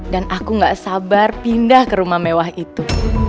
dan aku tidak sabar pindah ke rumah mewah itu